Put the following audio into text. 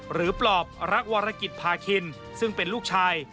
ปลอบรักวรกิจพาคินซึ่งเป็นลูกชาย